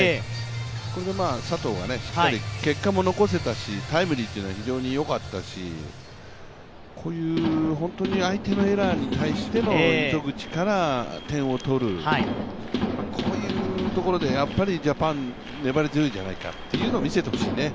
これで佐藤がしっかり結果も残せたし、タイムリーというのは非常によかったし、相手のエラーに対しての糸口から点を取る、こういうところでやっぱりジャパン粘り強いじゃないかっていうのを見せてほしいですよね。